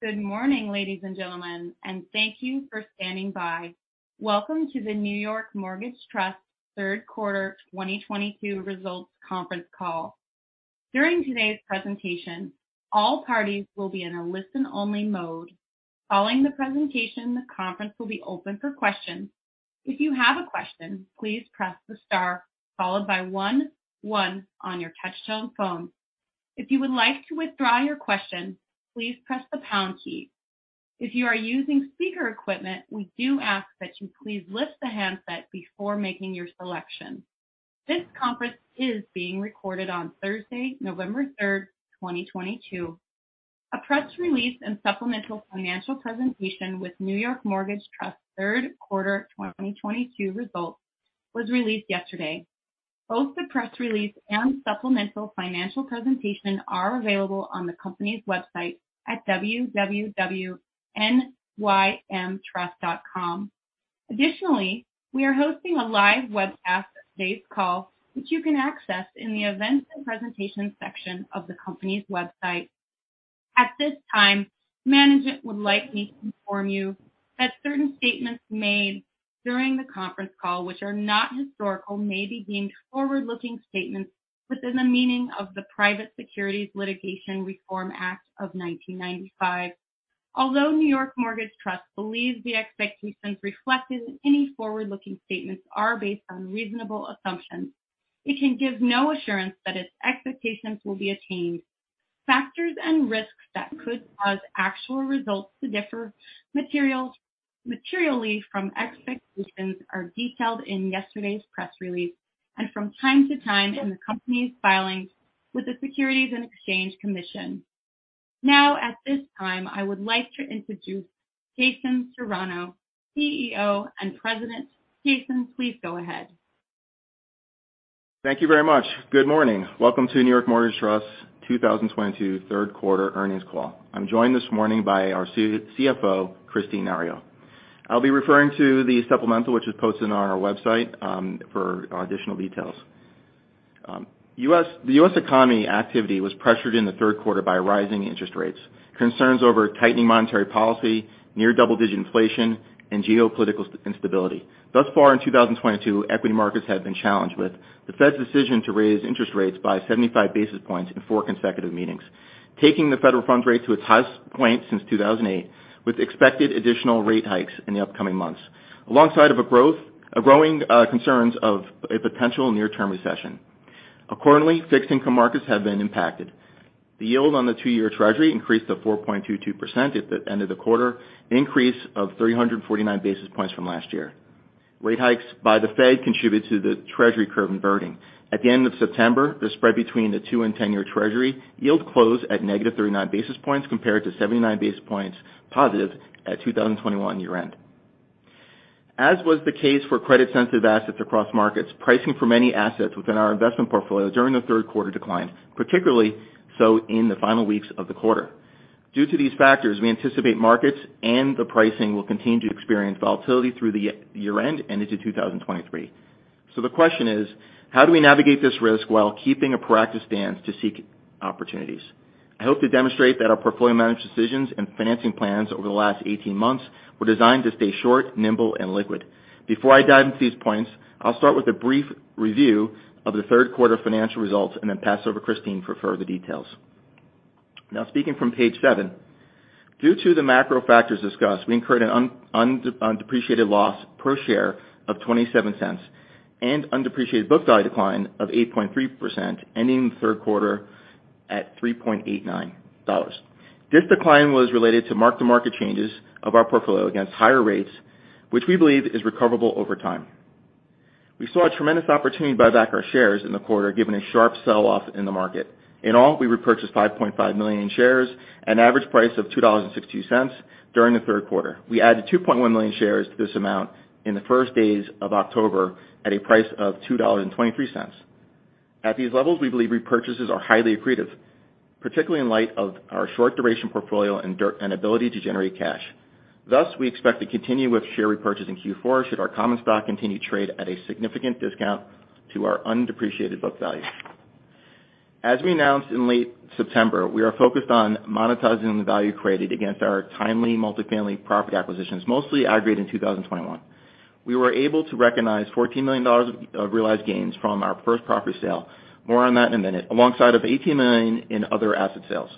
Good morning, ladies and gentlemen, and thank you for standing by. Welcome to the New York Mortgage Trust third quarter 2022 results conference call. During today's presentation, all parties will be in a listen-only mode. Following the presentation, the conference will be open for questions. If you have a question, please press the star followed by one one on your touchtone phone. If you would like to withdraw your question, please press the pound key. If you are using speaker equipment, we do ask that you please lift the handset before making your selection. This conference is being recorded on Thursday, November 3rd, 2022. A press release and supplemental financial presentation with New York Mortgage Trust third quarter 2022 results was released yesterday. Both the press release and supplemental financial presentation are available on the company's website at www.nymtrust.com. Additionally, we are hosting a live webcast of today's call, which you can access in the Events and Presentations section of the company's website. At this time, management would like me to inform you that certain statements made during the conference call which are not historical, may be deemed forward-looking statements within the meaning of the Private Securities Litigation Reform Act of 1995. Although New York Mortgage Trust believes the expectations reflected in any forward-looking statements are based on reasonable assumptions, it can give no assurance that its expectations will be attained. Factors and risks that could cause actual results to differ materially from expectations are detailed in yesterday's press release and from time to time in the company's filings with the Securities and Exchange Commission. Now, at this time, I would like to introduce Jason Serrano, CEO and President. Jason, please go ahead. Thank you very much. Good morning. Welcome to New York Mortgage Trust 2022 third quarter earnings call. I'm joined this morning by our CFO, Kristine Nario. I'll be referring to the supplemental, which is posted on our website, for additional details. The U.S. economy activity was pressured in the third quarter by rising interest rates, concerns over tightening monetary policy, near double-digit inflation, and geopolitical instability. Thus far in 2022, equity markets have been challenged with the Fed's decision to raise interest rates by 75 basis points in four consecutive meetings, taking the federal funds rate to its highest point since 2008, with expected additional rate hikes in the upcoming months. Alongside of a broad of growing concerns of a potential near-term recession. Accordingly, fixed income markets have been impacted. The yield on the two-year Treasury increased to 4.22% at the end of the quarter, an increase of 349 basis points from last year. Rate hikes by the Fed contributed to the Treasury curve inverting. At the end of September, the spread between the two- and 10-year Treasury yield closed at -39 basis points compared to 79 basis points positive at 2021 year-end. As was the case for credit-sensitive assets across markets, pricing for many assets within our investment portfolio during the third quarter declined, particularly so in the final weeks of the quarter. Due to these factors, we anticipate markets and the pricing will continue to experience volatility through the year-end and into 2023. The question is: how do we navigate this risk while keeping a proactive stance to seek opportunities? I hope to demonstrate that our portfolio management decisions and financing plans over the last 18 months were designed to stay short, nimble, and liquid. Before I dive into these points, I'll start with a brief review of the third quarter financial results and then pass over Kristine for further details. Now speaking from page 7, due to the macro factors discussed, we incurred an unrealized loss per share of $0.27 and unrealized book value decline of 8.3%, ending the third quarter at $3.89. This decline was related to mark-to-market changes of our portfolio against higher rates, which we believe is recoverable over time. We saw a tremendous opportunity to buy back our shares in the quarter, given a sharp sell-off in the market. In all, we repurchased 5.5 million shares at an average price of $2.62 during the third quarter. We added 2.1 million shares to this amount in the first days of October at a price of $2.23. At these levels, we believe repurchases are highly accretive, particularly in light of our short duration portfolio and ability to generate cash. Thus, we expect to continue with share repurchase in Q4 should our common stock continue to trade at a significant discount to our undepreciated book value. As we announced in late September, we are focused on monetizing the value created against our timely multifamily property acquisitions, mostly aggregated in 2021. We were able to recognize $14 million of realized gains from our first property sale, more on that in a minute, alongside of $18 million in other asset sales.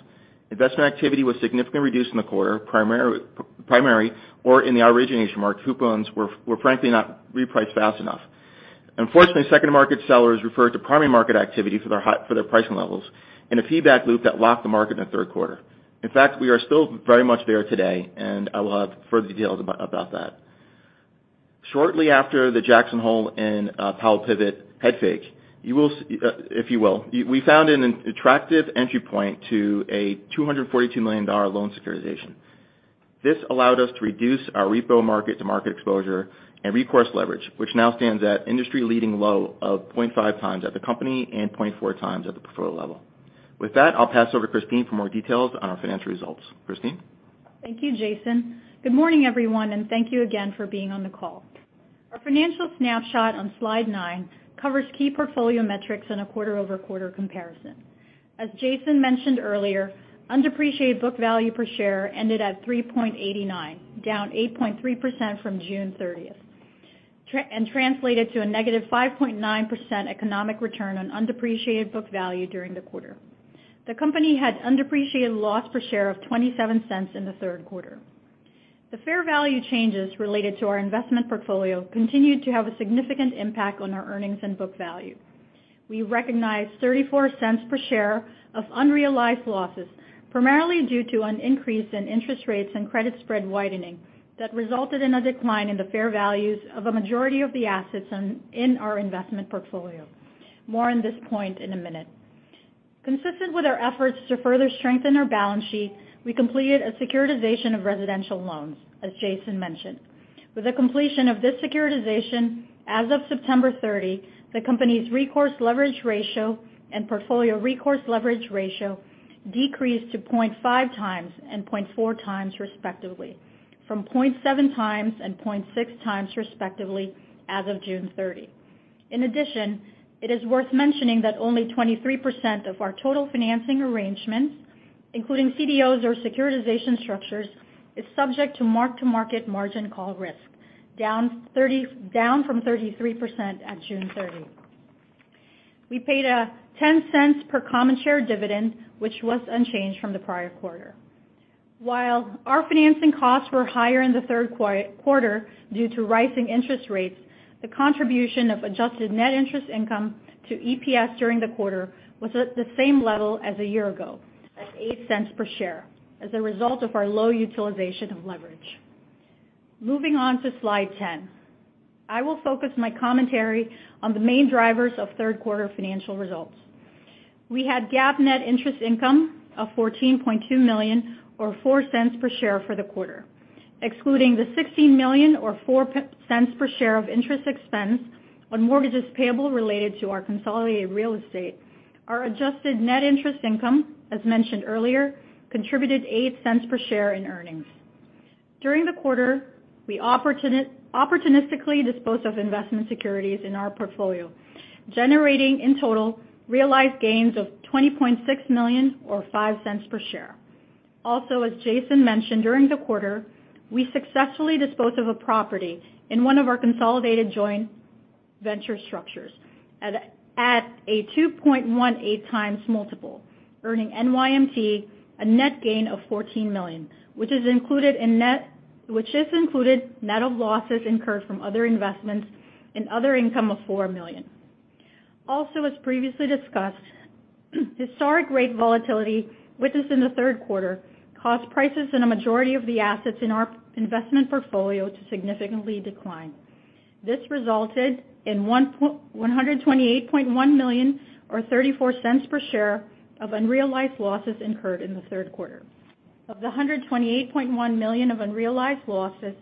Investment activity was significantly reduced in the quarter, primarily in the origination market. Coupon bonds were frankly not repriced fast enough. Unfortunately, second market sellers referred to primary market activity for their pricing levels in a feedback loop that locked the market in the third quarter. In fact, we are still very much there today, and I will have further details about that. Shortly after the Jackson Hole and Powell pivot head fake, we found an attractive entry point to a $242 million loan securitization. This allowed us to reduce our repo mark-to-market exposure and recourse leverage, which now stands at industry-leading low of 0.5x at the company and 0.4x at the portfolio level. With that, I'll pass over to Kristine for more details on our financial results. Kristine? Thank you, Jason. Good morning, everyone, and thank you again for being on the call. Our financial snapshot on slide 9 covers key portfolio metrics on a quarter-over-quarter comparison. As Jason mentioned earlier, undepreciated book value per share ended at $3.89, down 8.3% from June 30. That translated to a -5.9% economic return on undepreciated book value during the quarter. The company had undepreciated loss per share of $0.27 in the third quarter. The fair value changes related to our investment portfolio continued to have a significant impact on our earnings and book value. We recognized $0.34 per share of unrealized losses, primarily due to an increase in interest rates and credit spread widening that resulted in a decline in the fair values of a majority of the assets in our investment portfolio. More on this point in a minute. Consistent with our efforts to further strengthen our balance sheet, we completed a securitization of residential loans, as Jason mentioned. With the completion of this securitization, as of September 30, the company's recourse leverage ratio and portfolio recourse leverage ratio decreased to 0.5x and 0.4x respectively, from 0.7x and 0.6x respectively as of June 30. In addition, it is worth mentioning that only 23% of our total financing arrangements, including CDOs or securitization structures, is subject to mark-to-market margin call risk, down from 33% at June 30. We paid a $0.10 per common share dividend, which was unchanged from the prior quarter. While our financing costs were higher in the third quarter due to rising interest rates, the contribution of adjusted net interest income to EPS during the quarter was at the same level as a year ago, at $0.08 per share, as a result of our low utilization of leverage. Moving on to slide 10. I will focus my commentary on the main drivers of third quarter financial results. We had GAAP net interest income of $14.2 million or $0.04 per share for the quarter. Excluding the $16 million or $0.04 per share of interest expense on mortgages payable related to our consolidated real estate, our adjusted net interest income, as mentioned earlier, contributed $0.08 per share in earnings. During the quarter, we opportunistically disposed of investment securities in our portfolio, generating, in total, realized gains of $20.6 million or $0.05 per share. Also, as Jason mentioned, during the quarter, we successfully disposed of a property in one of our consolidated joint venture structures at a 2.18x multiple, earning NYMT a net gain of $14 million, which is included net of losses incurred from other investments and other income of $4 million. Also, as previously discussed, historic rate volatility hit us in the third quarter caused prices in a majority of the assets in our investment portfolio to significantly decline. This resulted in $128.1 million or $0.34 per share of unrealized losses incurred in the third quarter. Of the $128.1 million of unrealized losses,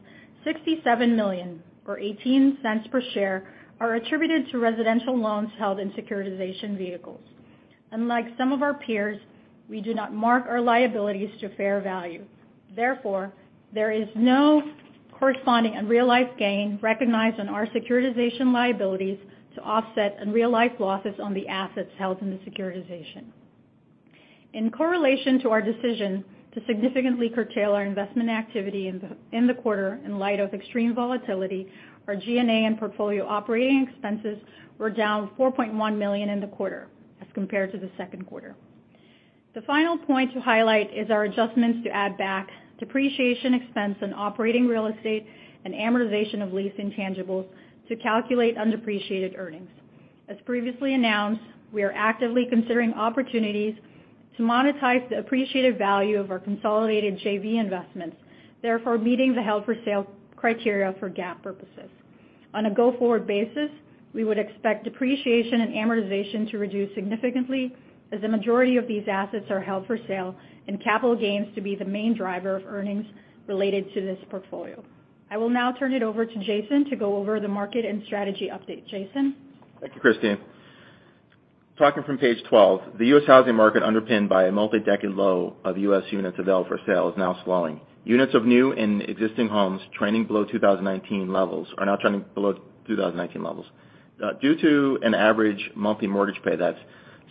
$67 million or $0.18 per share are attributed to residential loans held in securitization vehicles. Unlike some of our peers, we do not mark our liabilities to fair value. Therefore, there is no corresponding unrealized gain recognized on our securitization liabilities to offset unrealized losses on the assets held in the securitization. In correlation to our decision to significantly curtail our investment activity in the quarter in light of extreme volatility, our G&A and portfolio operating expenses were down $4.1 million in the quarter as compared to the second quarter. The final point to highlight is our adjustments to add back depreciation expense on operating real estate and amortization of lease intangibles to calculate undepreciated earnings. As previously announced, we are actively considering opportunities to monetize the appreciated value of our consolidated JV investments, therefore meeting the held-for-sale criteria for GAAP purposes. On a go-forward basis, we would expect depreciation and amortization to reduce significantly as the majority of these assets are held for sale and capital gains to be the main driver of earnings related to this portfolio. I will now turn it over to Jason to go over the market and strategy update. Jason? Thank you, Kristine. Talking from page 12, the U.S. housing market underpinned by a multi-decade low of U.S. units available for sale is now slowing. Units of new and existing homes are now trending below 2019 levels due to an average monthly mortgage payment that's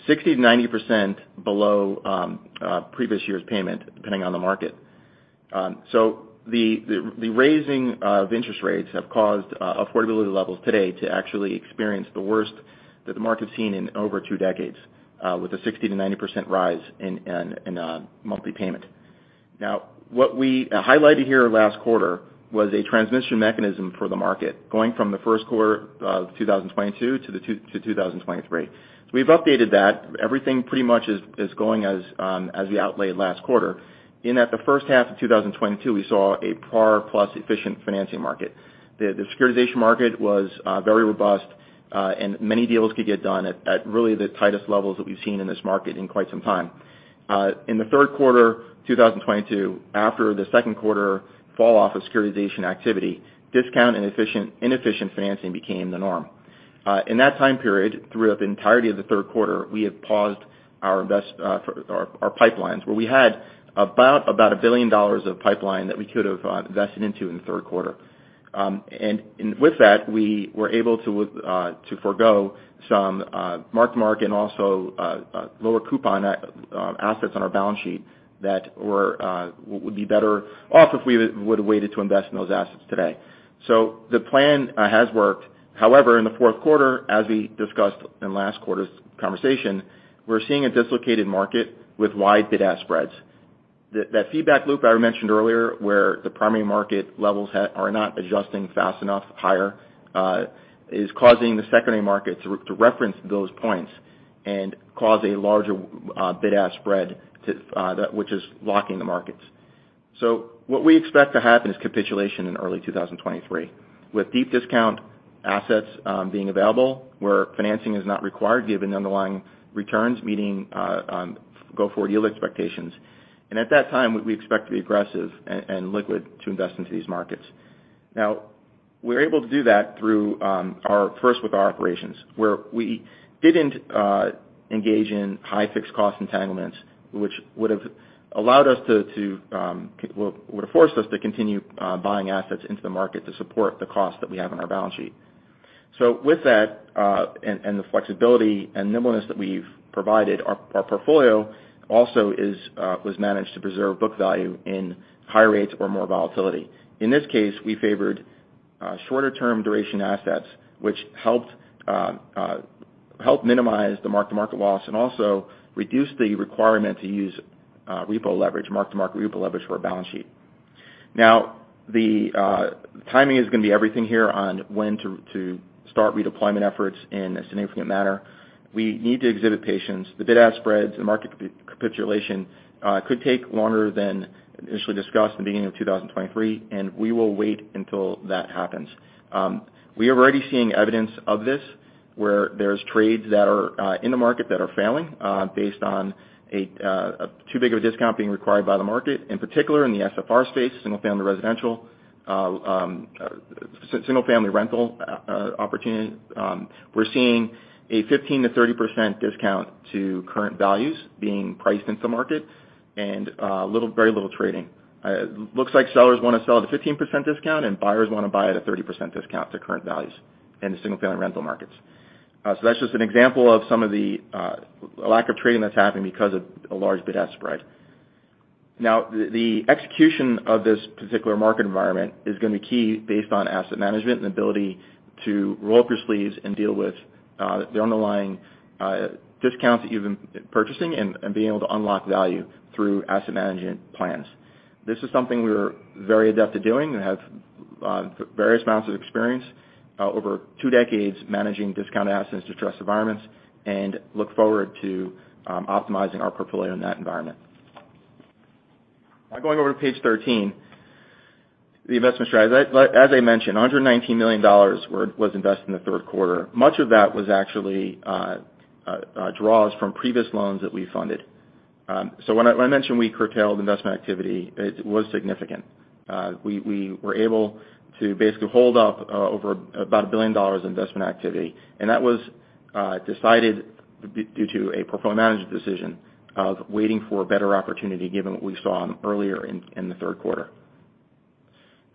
60%-90% below previous year's payment, depending on the market. The raising of interest rates have caused affordability levels today to actually experience the worst that the market's seen in over two decades, with a 60%-90% rise in monthly payment. Now, what we highlighted here last quarter was a transmission mechanism for the market, going from the first quarter of 2022-2023. We've updated that. Everything pretty much is going as we outlaid last quarter in that the first half of 2022, we saw a par plus efficient financing market. The securitization market was very robust, and many deals could get done at really the tightest levels that we've seen in this market in quite some time. In the third quarter 2022, after the second quarter falloff of securitization activity, discount and inefficient financing became the norm. In that time period, throughout the entirety of the third quarter, we have paused our pipelines, where we had about a billion dollar of pipeline that we could have invested into in the third quarter. With that, we were able to forego some mark-to-market and also lower coupon assets on our balance sheet that would be better off if we would've waited to invest in those assets today. The plan has worked. However, in the fourth quarter, as we discussed in last quarter's conversation, we're seeing a dislocated market with wide bid-ask spreads. That feedback loop I mentioned earlier, where the primary market levels are not adjusting fast enough higher, is causing the secondary market to reference those points and cause a larger bid-ask spread, which is locking the markets. What we expect to happen is capitulation in early 2023, with deep discount assets being available where financing is not required given the underlying returns meeting go forward yield expectations. At that time, we expect to be aggressive and liquid to invest into these markets. Now, we're able to do that through our first with our operations, where we didn't engage in high fixed cost entanglements, which would've forced us to continue buying assets into the market to support the cost that we have on our balance sheet. With that and the flexibility and nimbleness that we've provided, our portfolio also was managed to preserve book value in high rates or more volatility. In this case, we favored shorter term duration assets, which helped minimize the mark-to-market loss and also reduced the requirement to use repo leverage, mark-to-market repo leverage for our balance sheet. Now, the timing is gonna be everything here on when to start redeployment efforts in a significant manner. We need to exhibit patience. The bid-ask spreads and market capitulation could take longer than initially discussed in the beginning of 2023, and we will wait until that happens. We are already seeing evidence of this, where there's trades that are in the market that are failing based on a too big of a discount being required by the market. In particular, in the SFR space, single-family rental opportunity. We're seeing a 15%-30% discount to current values being priced into the market and very little trading. Looks like sellers wanna sell at a 15% discount and buyers wanna buy at a 30% discount to current values in the single-family rental markets. That's just an example of some of the lack of trading that's happening because of a large bid-ask spread. The execution of this particular market environment is gonna be key based on asset management and ability to roll up your sleeves and deal with the underlying discounts that you've been purchasing and being able to unlock value through asset management plans. This is something we're very adept at doing and have various amounts of experience over two decades managing discounted assets in distressed environments and look forward to optimizing our portfolio in that environment. Going over to page 13, the investment strategy. As I mentioned, $119 million was invested in the third quarter. Much of that was actually draws from previous loans that we funded. When I mentioned we curtailed investment activity, it was significant. We were able to basically hold up over about a billion dollar investment activity, and that was decided due to a portfolio management decision of waiting for a better opportunity given what we saw earlier in the third quarter.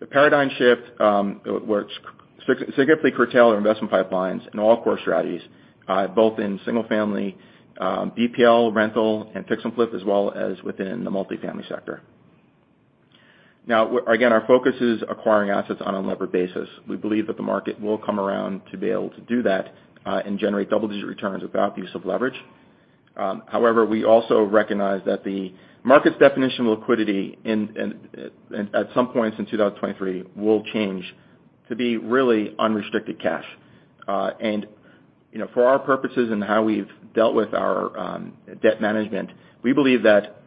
The paradigm shift where it significantly curtailed our investment pipelines and all core strategies both in single family BPL rental and fix and flip, as well as within the multifamily sector. Now again, our focus is acquiring assets on unlevered basis. We believe that the market will come around to be able to do that and generate double-digit returns without the use of leverage. However, we also recognize that the market's definition of liquidity in at some points in 2023 will change to be really unrestricted cash. You know, for our purposes and how we've dealt with our debt management, we believe that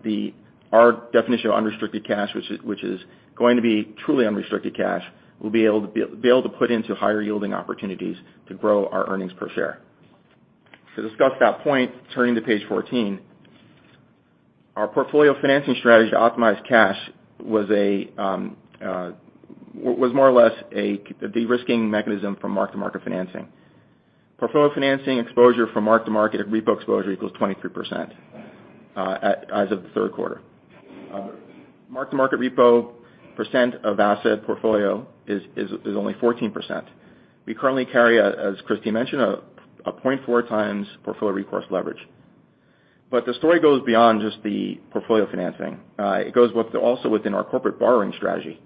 our definition of unrestricted cash, which is going to be truly unrestricted cash, we'll be able to put into higher yielding opportunities to grow our earnings per share. To discuss that point, turning to page 14, our portfolio financing strategy to optimize cash was more or less a de-risking mechanism from mark-to-market financing. Portfolio financing exposure from mark to market of repo exposure equals 23%, as of the third quarter. Mark-to-market repo percent of asset portfolio is only 14%. We currently carry, as Kristine mentioned, 0.4x portfolio recourse leverage. The story goes beyond just the portfolio financing. It also goes within our corporate borrowing strategy.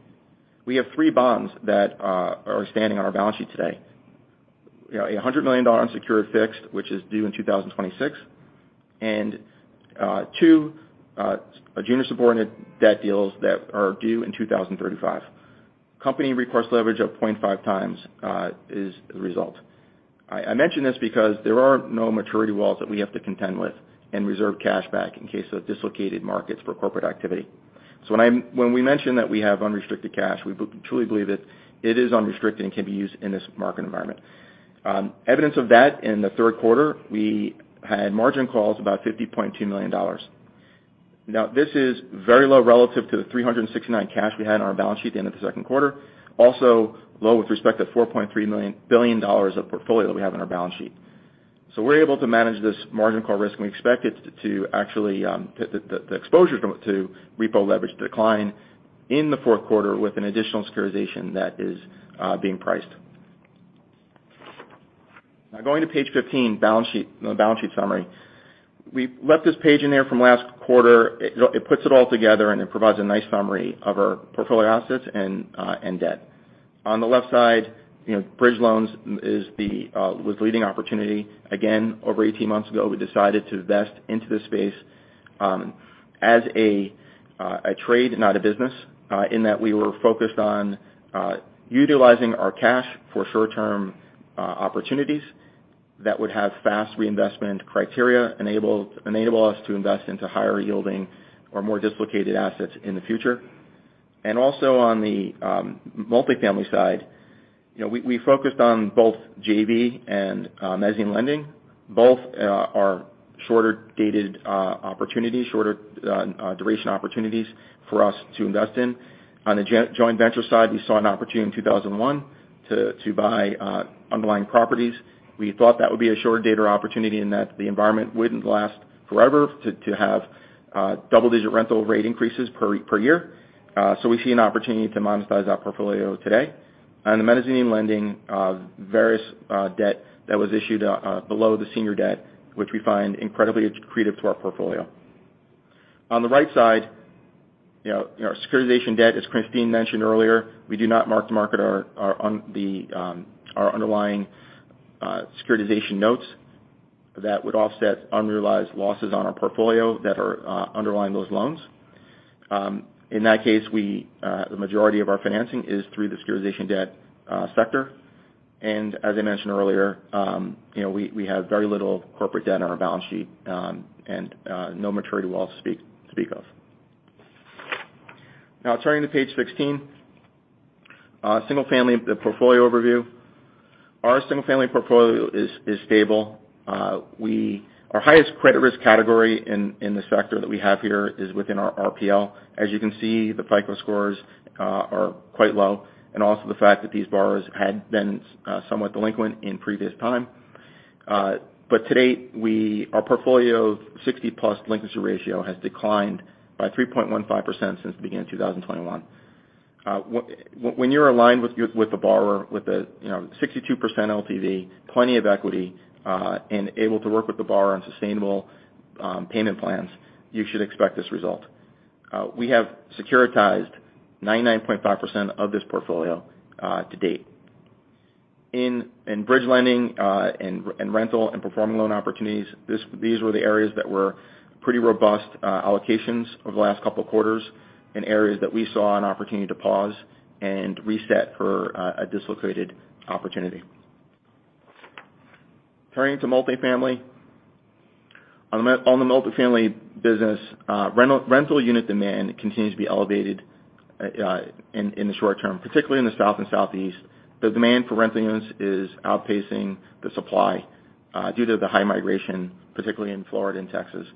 We have three bonds that are outstanding on our balance sheet today. You know, a hundred million dollar in secured fixed, which is due in 2026, and two junior subordinated debt deals that are due in 2035. Company recourse leverage of 0.5x is the result. I mention this because there are no maturity walls that we have to contend with and reserve cash back in case of dislocated markets for corporate activity. When we mention that we have unrestricted cash, we truly believe it. It is unrestricted and can be used in this market environment. Evidence of that, in the third quarter, we had margin calls about $50.2 million. Now this is very low relative to the $369 million cash we had on our balance sheet at the end of the second quarter. Also low with respect to $4.3 billion of portfolio that we have on our balance sheet. We're able to manage this margin call risk, and we expect it to actually, the exposure to repo leverage, decline in the fourth quarter with an additional securitization that is being priced. Now, going to page 15, balance sheet, you know, balance sheet summary. We left this page in there from last quarter. It puts it all together, and it provides a nice summary of our portfolio assets and debt. On the left side, you know, bridge loans was the leading opportunity. Again, over 18 months ago, we decided to invest into this space, as a trade, not a business, in that we were focused on utilizing our cash for short-term opportunities that would have fast reinvestment criteria, enable us to invest into higher yielding or more dislocated assets in the future. On the multifamily side, you know, we focused on both JV and mezzanine lending. Both are shorter-dated opportunities, shorter duration opportunities for us to invest in. On the joint venture side, we saw an opportunity in 2001 to buy underlying properties. We thought that would be a shorter-dated opportunity and that the environment wouldn't last forever to have double-digit rental rate increases per year. We see an opportunity to monetize that portfolio today. On the mezzanine lending, various debt that was issued below the senior debt, which we find incredibly accretive to our portfolio. On the right side, you know, our securitization debt, as Kristine mentioned earlier, we do not mark-to-market our underlying securitization notes that would offset unrealized losses on our portfolio that are underlying those loans. In that case, the majority of our financing is through the securitization debt sector. As I mentioned earlier, you know, we have very little corporate debt on our balance sheet, and no maturity wall to speak of. Now, turning to page 16, single-family portfolio overview. Our single-family portfolio is stable. Our highest credit risk category in the sector that we have here is within our RPL. As you can see, the FICO scores are quite low, and also the fact that these borrowers had been somewhat delinquent in previous time. Our portfolio 60+ delinquency ratio has declined by 3.15% since the beginning of 2021. When you're aligned with the borrower, you know, 62% LTV, plenty of equity, and able to work with the borrower on sustainable payment plans, you should expect this result. We have securitized 99.5% of this portfolio to date. In bridge lending and rental and performing loan opportunities, these were the areas that were pretty robust allocations over the last couple of quarters, and areas that we saw an opportunity to pause and reset for a dislocated opportunity. Turning to multifamily. On the multifamily business, rental unit demand continues to be elevated in the short term, particularly in the South and Southeast. The demand for rental units is outpacing the supply due to the high migration, particularly in Florida and Texas.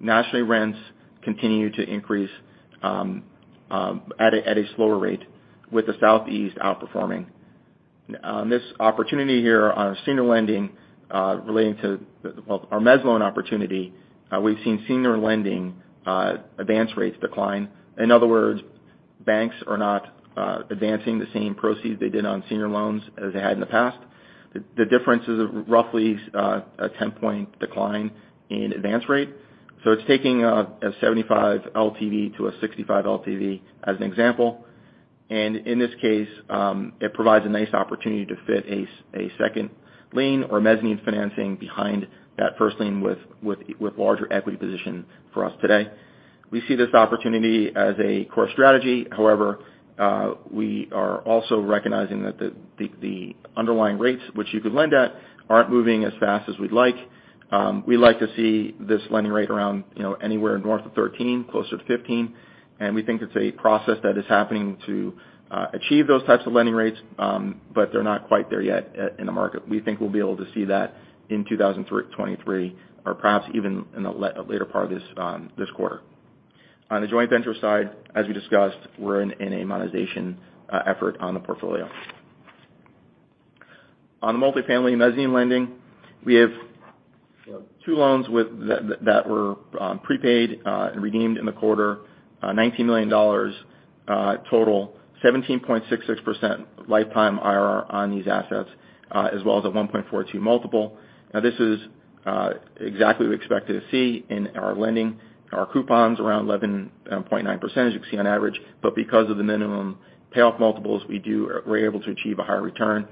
Nationally, rents continue to increase at a slower rate, with the Southeast outperforming. This opportunity here on our senior lending, relating to, well, our mezz loan opportunity, we've seen senior lending advance rates decline. In other words, banks are not advancing the same proceeds they did on senior loans as they had in the past. The difference is roughly a 10-point decline in advance rate. It's taking a 75 LTV-65 LTV as an example. In this case, it provides a nice opportunity to fit a second lien or mezzanine financing behind that first lien with larger equity position for us today. We see this opportunity as a core strategy. However, we are also recognizing that the underlying rates which you could lend at aren't moving as fast as we'd like. We like to see this lending rate around, you know, anywhere north of 13%, closer to 15%, and we think it's a process that is happening to achieve those types of lending rates, but they're not quite there yet in the market. We think we'll be able to see that in 2023 or perhaps even in the later part of this quarter. On the joint venture side, as we discussed, we're in a monetization effort on the portfolio. On the multifamily mezzanine lending, we have two loans that were prepaid and redeemed in the quarter, $19 million total. 17.66% lifetime IRR on these assets, as well as a 1.42x multiple. Now this is exactly what we expected to see in our lending. Our coupons around 11.9% you can see on average, but because of the minimum payoff multiples, we're able to achieve a higher return.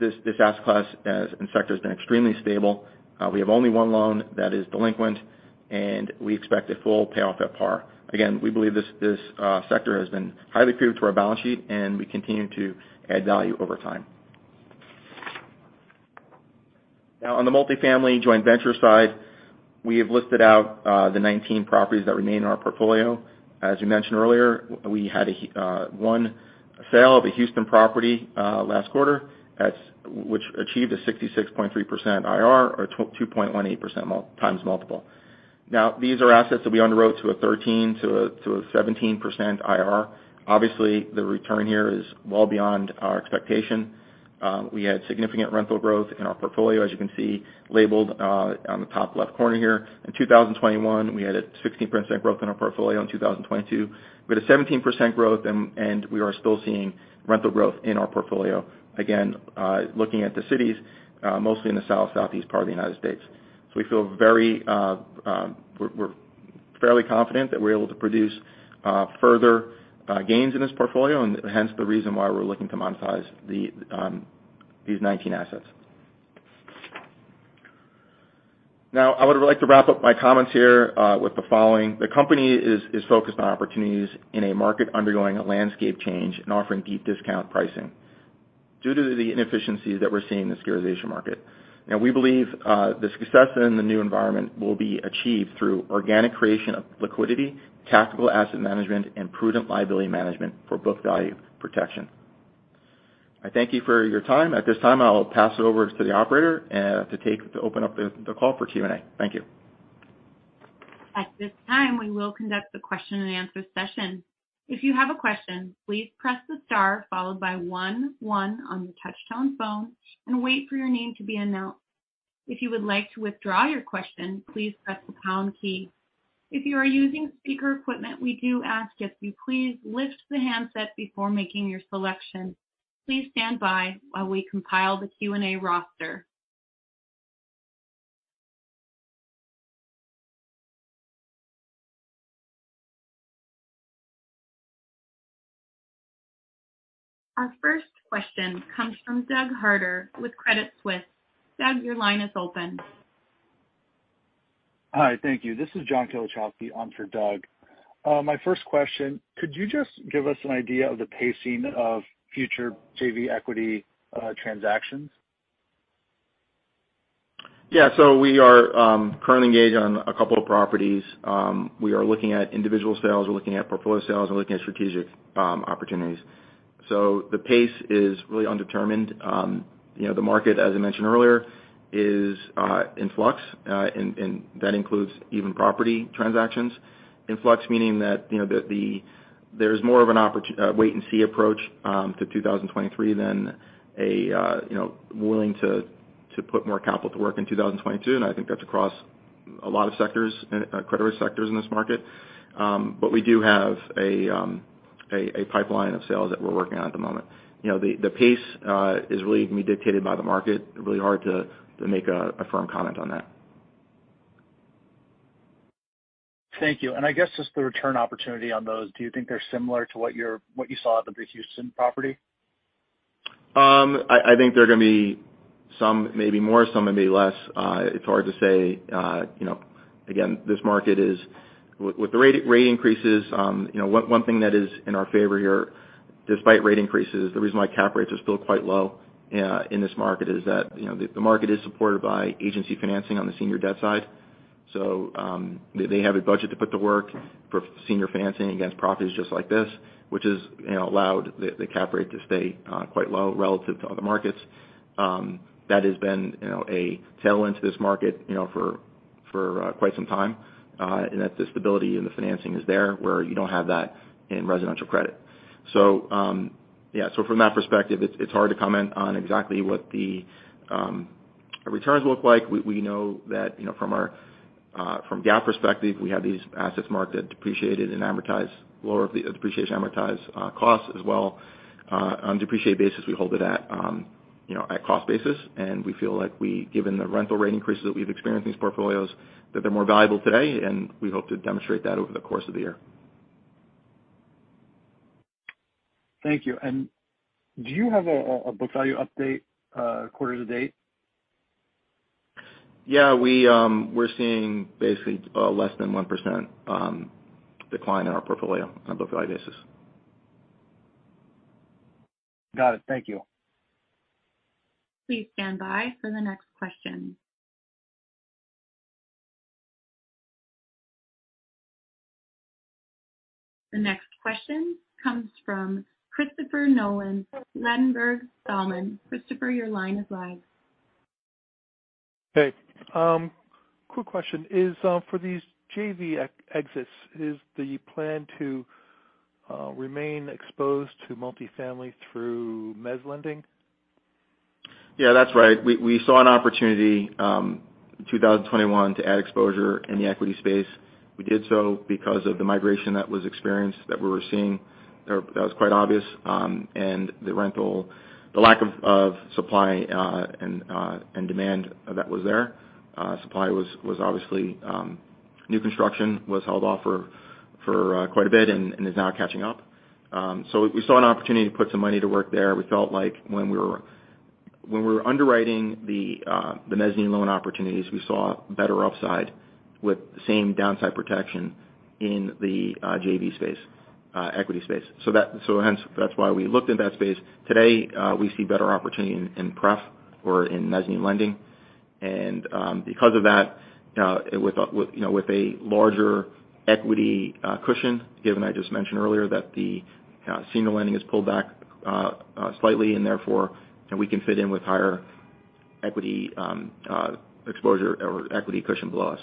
This asset class as in sector has been extremely stable. We have only one loan that is delinquent, and we expect a full payoff at par. Again, we believe this sector has been highly accretive to our balance sheet, and we continue to add value over time. Now on the multifamily joint venture side, we have listed out the 19 properties that remain in our portfolio. As you mentioned earlier, we had one sale of a Houston property last quarter which achieved a 66.3% IRR or 2.18x multiple. Now these are assets that we underwrote to a 13%-17% IRR. Obviously, the return here is well beyond our expectation. We had significant rental growth in our portfolio, as you can see labeled on the top left corner here. In 2021, we had a 16% growth in our portfolio. In 2022, we had a 17% growth and we are still seeing rental growth in our portfolio. Again, looking at the cities, mostly in the South, Southeast part of the United States. We feel very, we're fairly confident that we're able to produce further gains in this portfolio and hence the reason why we're looking to monetize these 19 assets. Now, I would like to wrap up my comments here with the following. The company is focused on opportunities in a market undergoing a landscape change and offering deep discount pricing due to the inefficiencies that we're seeing in the securitization market. Now, we believe the success in the new environment will be achieved through organic creation of liquidity, tactical asset management, and prudent liability management for book value protection. I thank you for your time. At this time, I'll pass it over to the operator to open up the call for Q&A. Thank you. At this time, we will conduct the question-and-answer session. If you have a question, please press the star followed by one one on your touchtone phone and wait for your name to be announced. If you would like to withdraw your question, please press the pound key. If you are using speaker equipment, we do ask that you please lift the handset before making your selection. Please stand by while we compile the Q&A roster. Our first question comes from Doug Harter with Credit Suisse. Doug, your line is open. Hi. Thank you. This is John Kilichowski on for Doug. My first question, could you just give us an idea of the pacing of future JV equity transactions? Yeah. We are currently engaged on a couple of properties. We are looking at individual sales, we're looking at portfolio sales, we're looking at strategic opportunities. The pace is really undetermined. You know, the market, as I mentioned earlier, is in flux, and that includes even property transactions. In flux meaning that, you know, there's more of a wait and see approach to 2023 than a, you know, willing to put more capital to work in 2022, and I think that's across a lot of sectors and credit risk sectors in this market. But we do have a pipeline of sales that we're working on at the moment. You know, the pace is really gonna be dictated by the market. Really hard to make a firm comment on that. Thank you. I guess just the return opportunity on those, do you think they're similar to what you saw with the Houston property? I think they're gonna be some maybe more, some maybe less. It's hard to say. You know, again, this market is with the rate increases, you know, one thing that is in our favor here, despite rate increases, the reason why cap rates are still quite low in this market is that, you know, the market is supported by agency financing on the senior debt side. They have a budget to put to work for senior financing against properties just like this, which has, you know, allowed the cap rate to stay quite low relative to other markets. That has been, you know, a tailwind to this market, you know, for quite some time in that the stability and the financing is there where you don't have that in residential credit. From that perspective, it's hard to comment on exactly what the returns look like. We know that, you know, from our GAAP perspective, we have these assets marked at depreciated and amortized, lower of the depreciated and amortized costs as well. On depreciated basis, we hold it at, you know, at cost basis, and we feel like given the rental rate increases that we've experienced in these portfolios, that they're more valuable today, and we hope to demonstrate that over the course of the year. Thank you. Do you have a book value update, quarter to date? Yeah. We're seeing basically less than 1% decline in our portfolio on a book value basis. Got it. Thank you. Please stand by for the next question. The next question comes from Christopher Nolan, Ladenburg Thalmann. Christopher, your line is live. Hey. Quick question. For these JV exits, is the plan to remain exposed to multifamily through mezz lending? Yeah, that's right. We saw an opportunity in 2021 to add exposure in the equity space. We did so because of the migration that was experienced, that we were seeing or that was quite obvious, and the lack of supply and demand that was there. Supply was obviously. New construction was held off for quite a bit and is now catching up. We saw an opportunity to put some money to work there. We felt like when we were underwriting the mezzanine loan opportunities, we saw better upside with the same downside protection in the JV space, equity space. Hence, that's why we looked in that space. Today, we see better opportunity in pref or in mezzanine lending. Now with a larger equity cushion, given I just mentioned earlier that the senior lending has pulled back slightly and therefore, you know, we can fit in with higher equity exposure or equity cushion below us.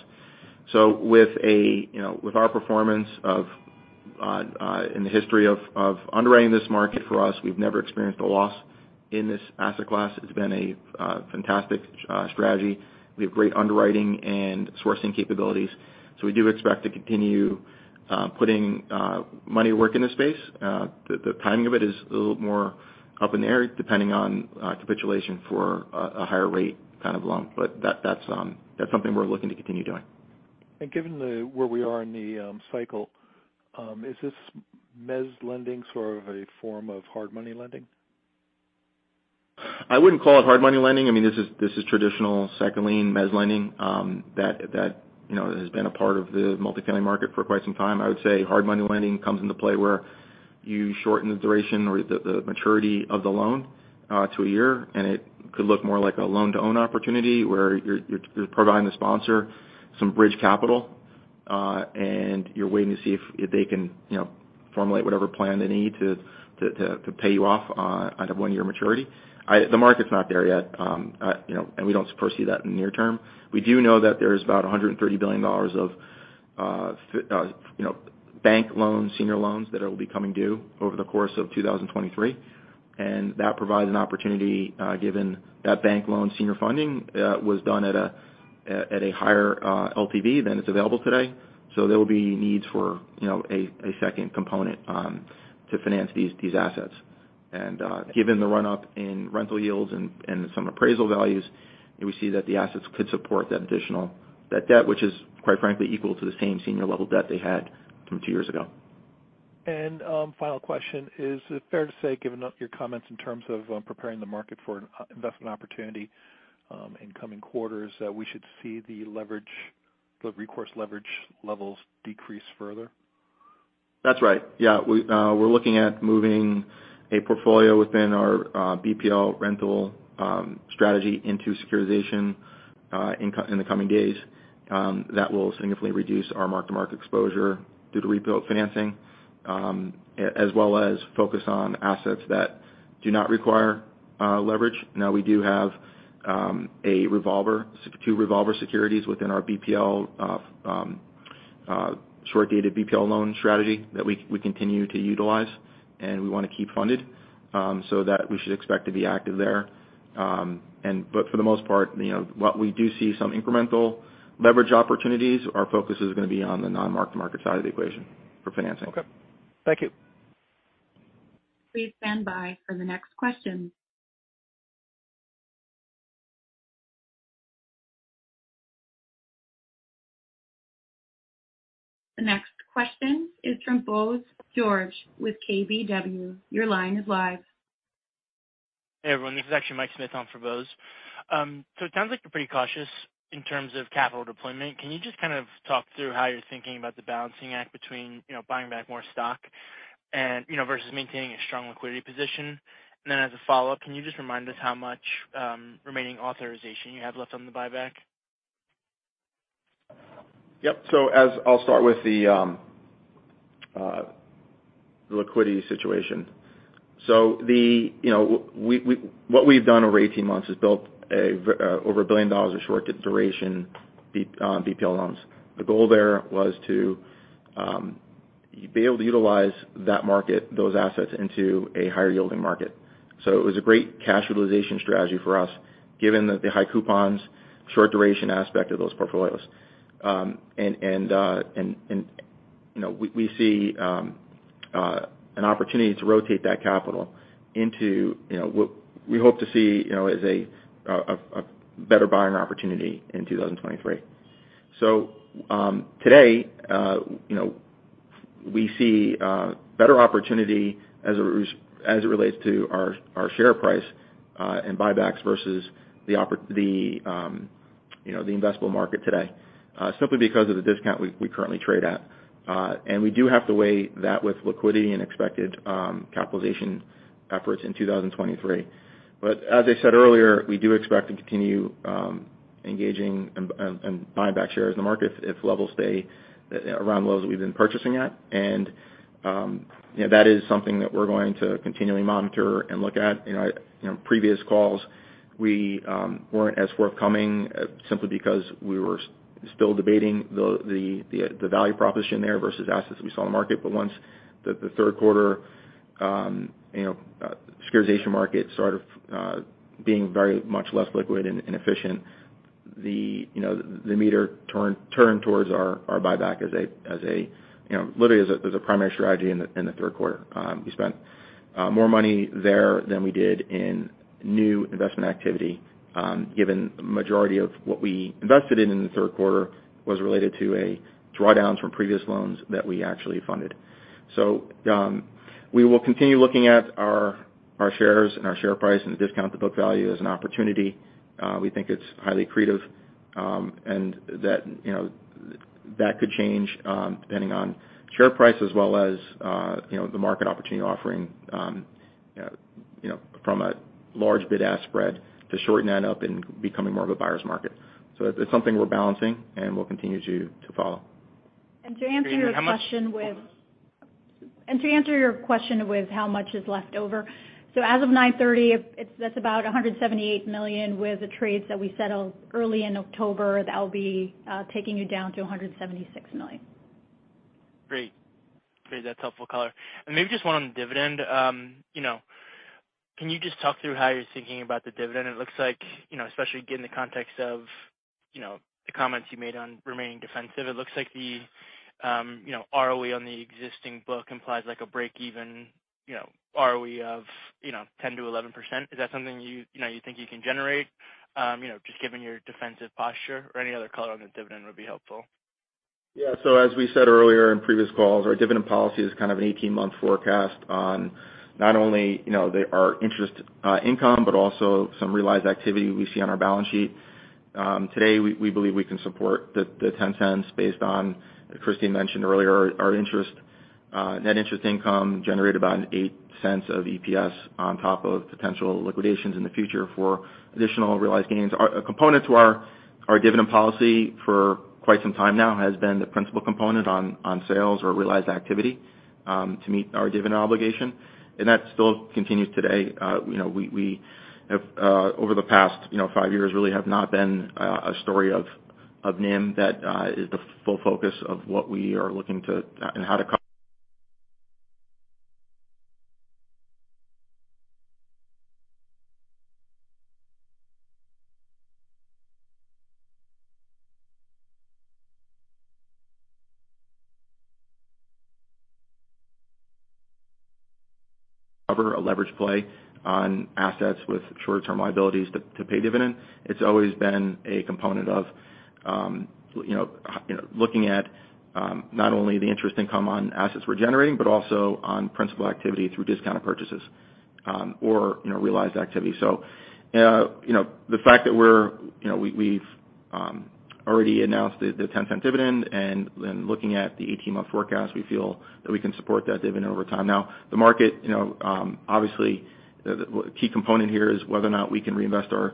With our performance in the history of underwriting this market for us, we've never experienced a loss in this asset class. It's been a fantastic strategy. We have great underwriting and sourcing capabilities. We do expect to continue putting money to work in this space. The timing of it is a little more up in the air depending on capitulation for a higher rate kind of loan. That's something we're looking to continue doing. Given where we are in the cycle, is this mezz lending sort of a form of hard money lending? I wouldn't call it hard money lending. I mean, this is traditional second lien mezz lending that you know has been a part of the multifamily market for quite some time. I would say hard money lending comes into play where you shorten the duration or the maturity of the loan to a year, and it could look more like a loan-to-own opportunity where you're providing the sponsor some bridge capital and you're waiting to see if they can you know formulate whatever plan they need to pay you off out of one-year maturity. The market's not there yet. You know, we don't foresee that in the near term. We do know that there's about $130 billion of, you know, bank loans, senior loans that will be coming due over the course of 2023. That provides an opportunity, given that bank loan senior funding was done at a higher LTV than is available today. There will be needs for, you know, a second component to finance these assets. Given the run-up in rental yields and some appraisal values, we see that the assets could support that debt which is quite frankly equal to the same senior level debt they had from two years ago. Final question. Is it fair to say, given your comments in terms of preparing the market for an investment opportunity in coming quarters, we should see the leverage, the recourse leverage levels decrease further? That's right. Yeah. We're looking at moving a portfolio within our BPL rental strategy into securitization in the coming days that will significantly reduce our mark-to-market exposure due to rebuild financing as well as focus on assets that do not require leverage. Now, we do have a revolver, two revolver securities within our BPL short-dated BPL loan strategy that we continue to utilize, and we wanna keep funded so that we should expect to be active there. But for the most part, you know, when we do see some incremental leverage opportunities, our focus is gonna be on the non-mark-to-market side of the equation for financing. Okay. Thank you. Please stand by for the next question. The next question is from Bose George with KBW. Your line is live. Hey, everyone. This is actually Mike Smith on for Bose. So it sounds like you're pretty cautious in terms of capital deployment. Can you just kind of talk through how you're thinking about the balancing act between, you know, buying back more stock and, you know, versus maintaining a strong liquidity position? As a follow-up, can you just remind us how much remaining authorization you have left on the buyback? Yep. As I'll start with the liquidity situation. The you know, what we've done over 18 months is built over a billion dollar of short duration BPL loans. The goal there was to be able to utilize that market, those assets into a higher yielding market. It was a great cash utilization strategy for us given that the high coupons, short duration aspect of those portfolios. And you know, we see an opportunity to rotate that capital into, you know, we hope to see, you know, as a better buying opportunity in 2023. Today, you know, we see better opportunity as it relates to our share price and buybacks versus the, you know, the investable market today, simply because of the discount we currently trade at. We do have to weigh that with liquidity and expected capitalization efforts in 2023. As I said earlier, we do expect to continue engaging and buying back shares in the market if levels stay around levels we've been purchasing at and that is something that we're going to continually monitor and look at. You know, previous calls we weren't as forthcoming simply because we were still debating the value proposition there versus assets that we saw in the market. Once the third quarter, you know, securitization market started being very much less liquid and inefficient, you know, the meter turned towards our buyback as a, you know, literally as a primary strategy in the third quarter. We spent more money there than we did in new investment activity, given majority of what we invested in in the third quarter was related to a draw down from previous loans that we actually funded. We will continue looking at our shares and our share price and the discount to book value as an opportunity. We think it's highly accretive, and that could change depending on share price as well as you know the market opportunity offering you know from a large bid-ask spread to shorten that up and becoming more of a buyer's market. It's something we're balancing and we'll continue to follow. To answer your question with- How much- To answer your question with how much is left over, so as of 9:30, it's, that's about $178 million with the trades that we settled early in October, that'll be taking you down to $176 million. Great. That's helpful color. Maybe just one on the dividend. You know, can you just talk through how you're thinking about the dividend? It looks like, you know, especially given the context of, you know, the comments you made on remaining defensive, it looks like the, you know, ROE on the existing book implies like a break even, you know, ROE of, you know, 10%-11%. Is that something you know, you think you can generate, you know, just given your defensive posture or any other color on the dividend would be helpful. Yeah. As we said earlier in previous calls, our dividend policy is kind of an 18-month forecast on not only, you know, our interest income, but also some realized activity we see on our balance sheet. Today, we believe we can support the $0.10 based on, Kristine mentioned earlier, our net interest income generated about $0.08 of EPS on top of potential liquidations in the future for additional realized gains. A component to our dividend policy for quite some time now has been the principal component on sales or realized activity to meet our dividend obligation. That still continues today. You know, we have over the past, you know, five years really have not been a story of NIM that is the full focus of what we are looking to and how to cover a leverage play on assets with short-term liabilities to pay dividend. It's always been a component of you know, looking at not only the interest income on assets we're generating, but also on principal activity through discounted purchases or, you know, realized activity. You know, the fact that we've already announced the $0.10 dividend, and then looking at the 18-month forecast, we feel that we can support that dividend over time. Now, the market, you know, obviously the key component here is whether or not we can reinvest our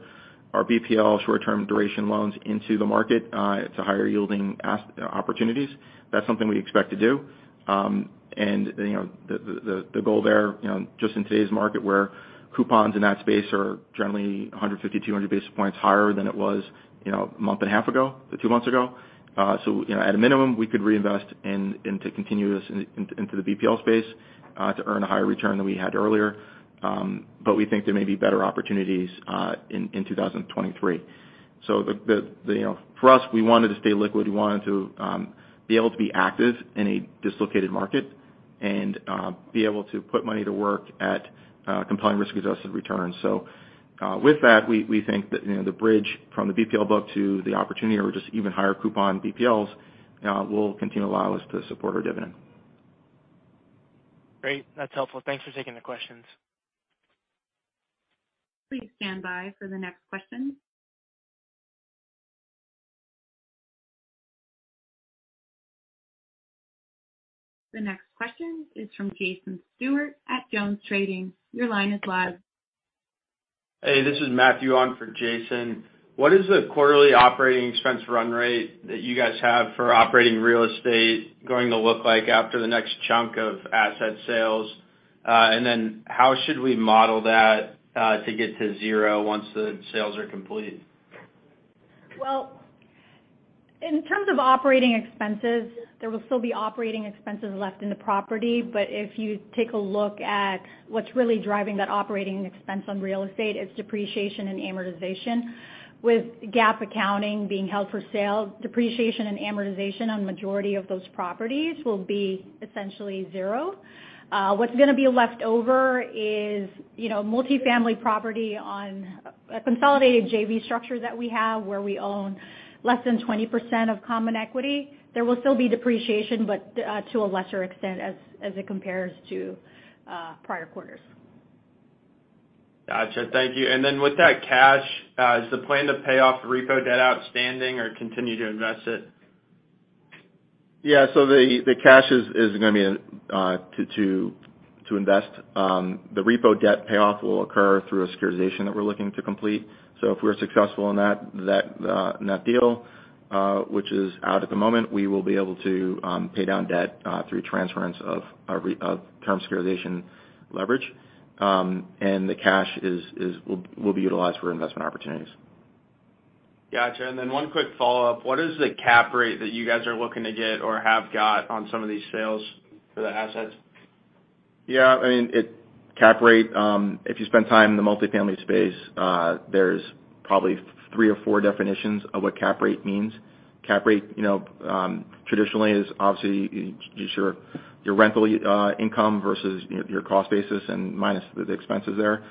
BPL short-term duration loans into the market to higher yielding opportunities. That's something we expect to do. You know, the goal there, you know, just in today's market where coupons in that space are generally 150-200 basis points higher than it was, you know, a month and a half ago or two months ago. You know, at a minimum, we could reinvest into the BPL space to earn a higher return than we had earlier. We think there may be better opportunities in 2023. You know, for us, we wanted to stay liquid. We wanted to be able to be active in a dislocated market and be able to put money to work at compelling risk-adjusted returns. With that, we think that, you know, the bridge from the BPL book to the opportunity or just even higher coupon BPLs will continue to allow us to support our dividend. Great. That's helpful. Thanks for taking the questions. Please stand by for the next question. The next question is from Jason Stewart at JonesTrading. Your line is live. Hey, this is Matthew on for Jason. What is the quarterly operating expense run rate that you guys have for operating real estate going to look like after the next chunk of asset sales? Then how should we model that to get to zero once the sales are complete? Well, in terms of operating expenses, there will still be operating expenses left in the property. If you take a look at what's really driving that operating expense on real estate, it's depreciation and amortization. With GAAP accounting being held for sale, depreciation and amortization on majority of those properties will be essentially zero. What's gonna be left over is, you know, multifamily property on a consolidated JV structure that we have, where we own less than 20% of common equity. There will still be depreciation, but to a lesser extent as it compares to prior quarters. Got you. Thank you. With that cash, is the plan to pay off the repo debt outstanding or continue to invest it? The cash is gonna be to invest. The repo debt payoff will occur through a securitization that we're looking to complete. If we're successful in that deal, which is out at the moment, we will be able to pay down debt through transference of our term securitization leverage. The cash will be utilized for investment opportunities. Got you. One quick follow-up. What is the cap rate that you guys are looking to get or have got on some of these sales for the assets? Yeah, I mean, cap rate, if you spend time in the multifamily space, there's probably three or four definitions of what cap rate means. Cap rate, you know, traditionally is obviously your rental income versus your cost basis and minus the expenses there.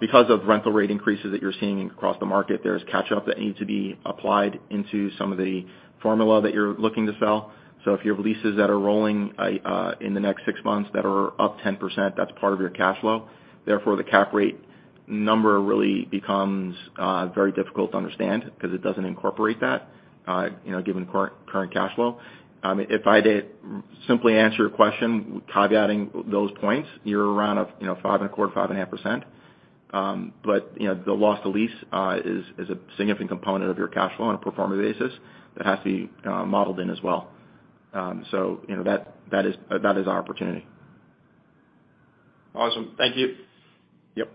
Because of rental rate increases that you're seeing across the market, there's catch-up that needs to be applied into some of the formula that you're looking to sell. If you have leases that are rolling in the next six months that are up 10%, that's part of your cash flow. Therefore, the cap rate number really becomes very difficult to understand because it doesn't incorporate that, you know, given current cash flow. I mean, if I did simply answer your question, caveating those points, you're around, you know, 5.25%-5.5%[5 or 5.5%]. You know, the loss to lease is a significant component of your cash flow on a pro forma basis that has to be modeled in as well. You know, that is our opportunity. Awesome. Thank you. Yep.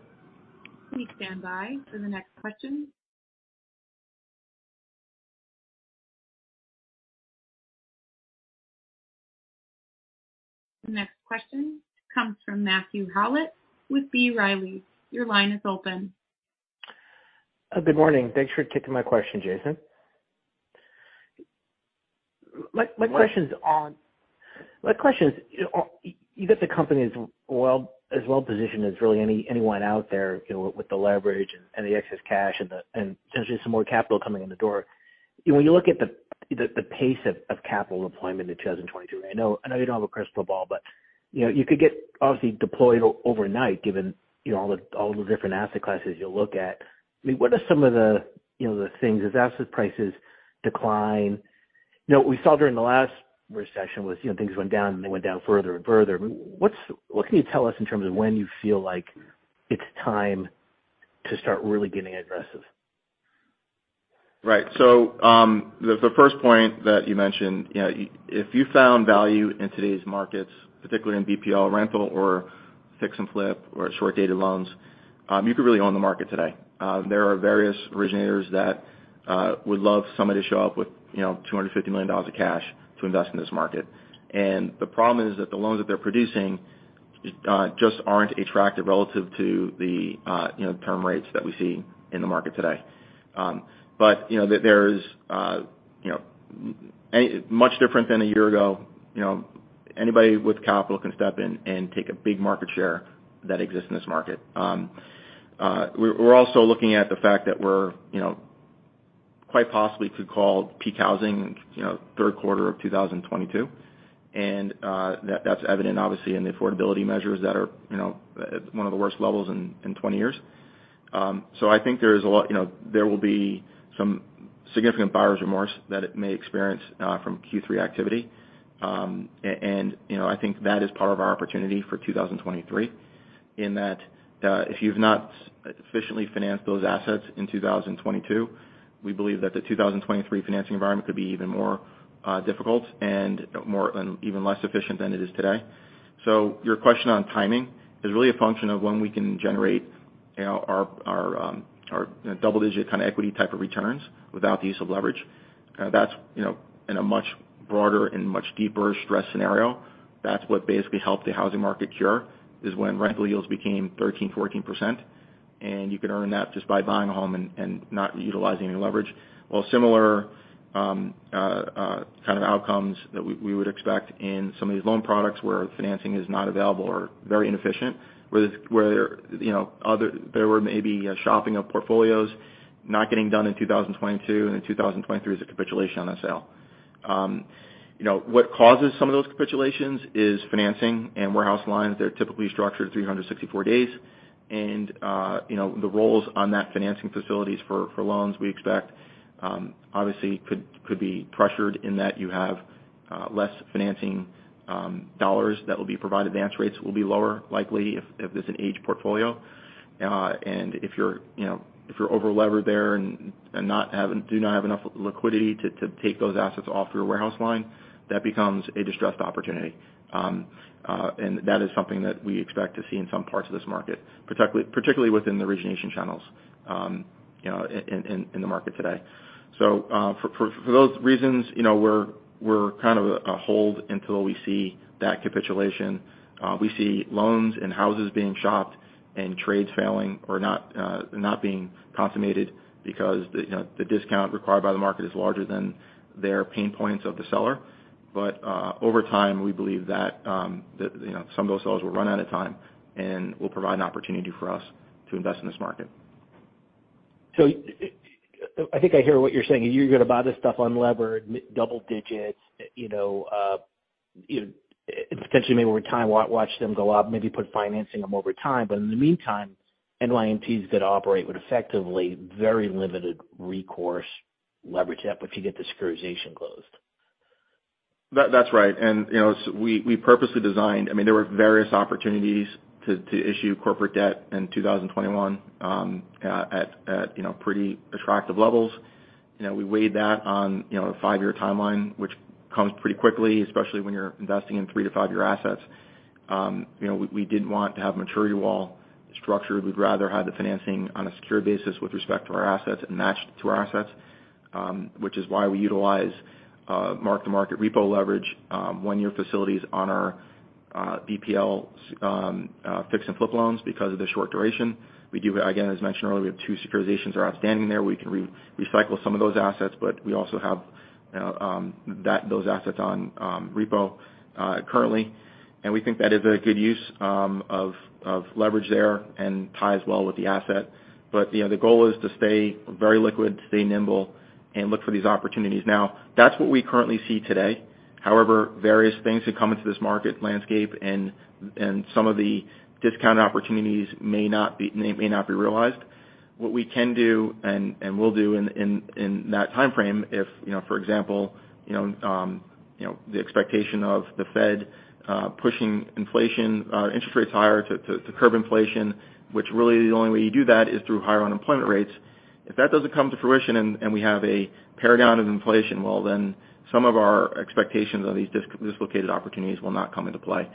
Please stand by for the next question. The next question comes from Matthew Howlett with B. Riley. Your line is open. Good morning. Thanks for taking my question, Jason. My question is, you know, you got the company as well positioned as really anyone out there, you know, with the leverage and the excess cash and potentially some more capital coming in the door. When you look at the pace of capital deployment in 2022, I know you don't have a crystal ball, but, you know, you could get obviously deployed overnight given, you know, all the different asset classes you look at. I mean, what are some of the, you know, the things as asset prices decline? You know, we saw during the last recession was, you know, things went down, and they went down further and further. What can you tell us in terms of when you feel like it's time to start really getting aggressive? Right. The first point that you mentioned, you know, if you found value in today's markets, particularly in BPL rental or fix and flip or short-dated loans, you could really own the market today. There are various originators that would love somebody to show up with, you know, $250 million of cash to invest in this market. The problem is that the loans that they're producing just aren't attractive relative to the, you know, term rates that we see in the market today. You know, there is much different than a year ago, you know, anybody with capital can step in and take a big market share that exists in this market. We're also looking at the fact that we're, you know, quite possibly could call peak housing, you know, third quarter of 2022. That's evident obviously in the affordability measures that are, you know, at one of the worst levels in 20 years. I think there is a lot you know there will be some significant buyer's remorse that it may experience from Q3 activity. You know, I think that is part of our opportunity for 2023, in that if you've not efficiently financed those assets in 2022, we believe that the 2023 financing environment could be even more difficult and more and even less efficient than it is today. Your question on timing is really a function of when we can generate, you know, our double-digit kind of equity type of returns without the use of leverage. That's, you know, in a much broader and much deeper stress scenario. That's what basically helped the housing market cure, is when rental yields became 13%-14%, and you could earn that just by buying a home and not utilizing any leverage. While similar kind of outcomes that we would expect in some of these loan products where financing is not available or very inefficient, where you know, there were maybe a shopping of portfolios not getting done in 2022, and in 2023 is a capitulation on the sale. You know, what causes some of those capitulations is financing and warehouse lines that are typically structured 364 days. You know, the roll on that financing facilities for loans we expect obviously could be pressured in that you have less financing dollars that will be provided. Advance rates will be lower, likely if it's an aged portfolio. If you're overlevered there and do not have enough liquidity to take those assets off your warehouse line, that becomes a distressed opportunity. That is something that we expect to see in some parts of this market, particularly within the origination channels, you know, in the market today. For those reasons, you know, we're kind of a hold until we see that capitulation. We see loans and houses being shopped and trades failing or not being consummated because, you know, the discount required by the market is larger than their pain points of the seller. Over time, we believe that, you know, some of those sellers will run out of time, and we'll provide an opportunity for us to invest in this market. I think I hear what you're saying. You're gonna buy this stuff unlevered, double digits, you know, potentially maybe over time, watch them go up, maybe put financing them over time. In the meantime, NYMT's could operate with effectively very limited recourse leverage debt, but you get the securitization closed. That's right. You know, we purposely designed. I mean, there were various opportunities to issue corporate debt in 2021 at you know, pretty attractive levels. You know, we weighed that on you know, a five-year timeline, which comes pretty quickly, especially when you're investing in three- to five-year assets. You know, we didn't want to have maturity wall structured. We'd rather have the financing on a secure basis with respect to our assets and matched to our assets, which is why we utilize mark-to-market repo leverage, one-year facilities on our BPLs, fix and flip loans because of the short duration. Again, as mentioned earlier, we have two securitizations are outstanding there. We can recycle some of those assets, but we also have, you know, those assets on repo currently. We think that is a good use of leverage there and ties well with the asset. You know, the goal is to stay very liquid, stay nimble, and look for these opportunities. Now, that's what we currently see today. However, various things have come into this market landscape and some of the discount opportunities may not be realized. What we can do and will do in that timeframe if, you know, for example, the expectation of the Fed pushing inflation interest rates higher to curb inflation, which really the only way you do that is through higher unemployment rates. If that doesn't come to fruition and we have a paragon of inflation, well then some of our expectations of these dislocated opportunities will not come into play.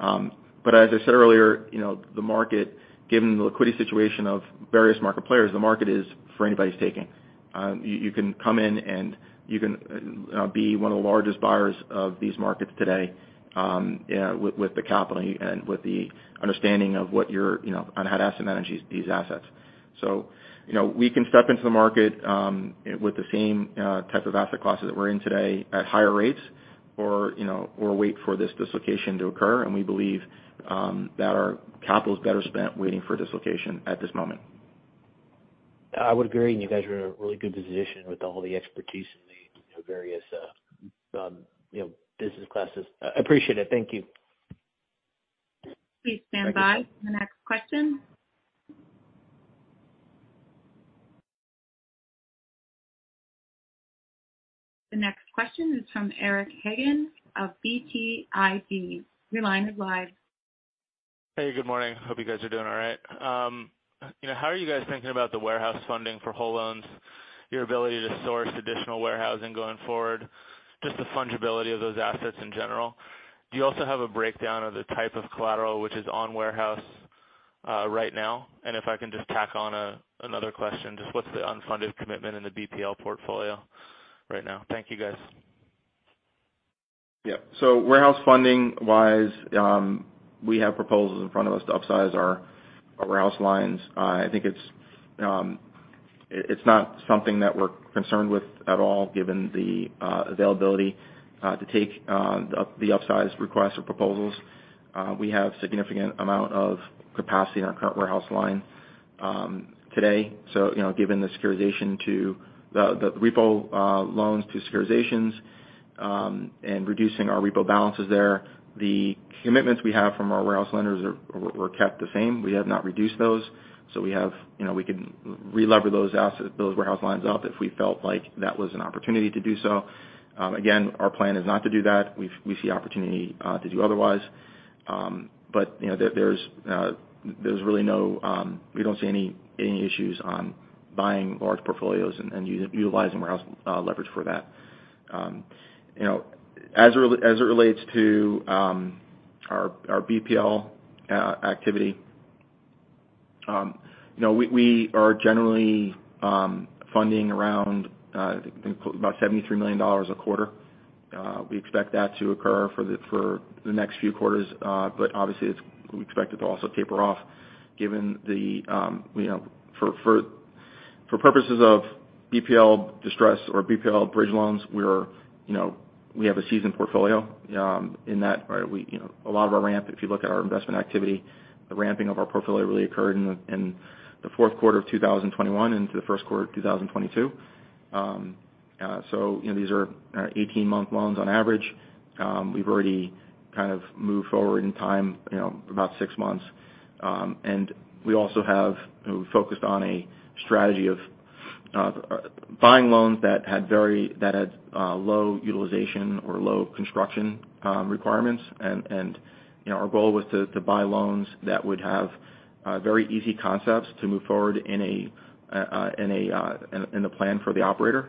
As I said earlier, you know, the market, given the liquidity situation of various market players, the market is for anybody's taking. You can come in and you can be one of the largest buyers of these markets today, with the capital and with the understanding of what you're, you know, on how to asset manage these assets. You know, we can step into the market with the same type of asset classes that we're in today at higher rates or, you know, or wait for this dislocation to occur. We believe that our capital is better spent waiting for dislocation at this moment. I would agree. You guys are in a really good position with all the expertise in the various, you know, business classes. I appreciate it. Thank you. Please stand by for the next question. The next question is from Eric Hagen of BTIG. Your line is live. Hey, good morning. Hope you guys are doing all right. You know, how are you guys thinking about the warehouse funding for whole loans, your ability to source additional warehousing going forward, just the fungibility of those assets in general? Do you also have a breakdown of the type of collateral which is on warehouse right now? If I can just tack on another question, just what's the unfunded commitment in the BPL portfolio right now? Thank you, guys. Yeah. Warehouse funding-wise, we have proposals in front of us to upsize our warehouse lines. I think it's not something that we're concerned with at all given the availability to take the upsized requests or proposals. We have significant amount of capacity in our current warehouse line today. You know, given the securitization to the repo loans to securitizations and reducing our repo balances there, the commitments we have from our warehouse lenders were kept the same. We have not reduced those. You know, we can re-lever those assets, those warehouse lines up if we felt like that was an opportunity to do so. Again, our plan is not to do that. We see opportunity to do otherwise. You know, there's really no. We don't see any issues on buying large portfolios and utilizing warehouse leverage for that. You know, as it relates to our BPL activity, you know, we are generally funding around about $73 million a quarter. We expect that to occur for the next few quarters, but obviously, we expect it to also taper off given the, you know. For purposes of BPL distress or BPL bridge loans, we're, you know, we have a seasoned portfolio, in that we, you know, a lot of our ramp, if you look at our investment activity, the ramping of our portfolio really occurred in the fourth quarter of 2021 into the first quarter of 2022. You know, these are 18-month loans on average. We've already kind of moved forward in time, you know, about six months. We also have focused on a strategy of buying loans that had very low utilization or low construction requirements. You know, our goal was to buy loans that would have very easy concepts to move forward in a plan for the operator.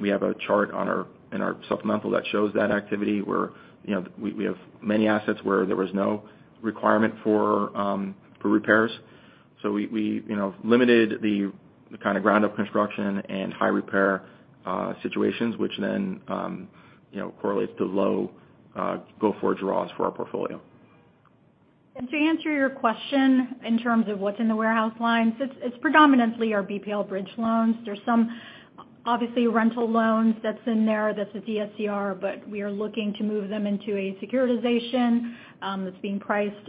We have a chart in our supplemental that shows that activity where, you know, we have many assets where there was no requirement for repairs. We, you know, limited the kind of ground-up construction and high repair situations, which then, you know, correlates to low go-forward draws for our portfolio. To answer your question in terms of what's in the warehouse lines, it's predominantly our BPL bridge loans. There's some obviously rental loans that's in there. That's a DSCR, but we are looking to move them into a securitization that's being priced.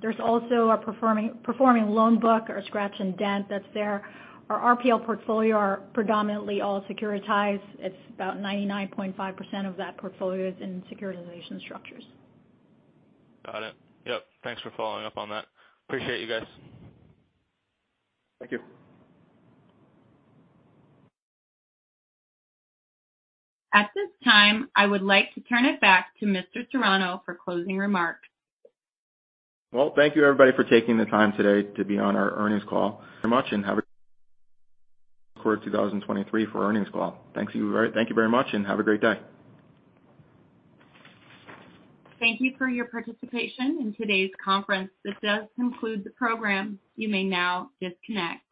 There's also a performing loan book or scratch and dent that's there. Our RPL portfolio are predominantly all securitized. It's about 99.5% of that portfolio is in securitization structures. Got it. Yep. Thanks for following up on that. Appreciate you guys. Thank you. At this time, I would like to turn it back to Mr. Serrano for closing remarks. Well, thank you everybody so much for taking the time today to be on our earnings call for 2023. Thank you very much and have a great day. Thank you for your participation in today's conference. This does conclude the program. You may now disconnect.